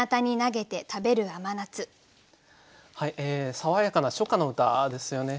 爽やかな初夏の歌ですよね。